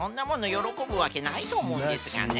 よろこぶわけないとおもうんですがね。